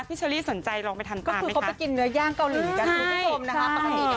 เชอรี่สนใจลองไปทานก็คือเขาไปกินเนื้อย่างเกาหลีกันคุณผู้ชมนะคะ